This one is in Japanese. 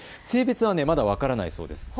性別はまだ分からないそうです。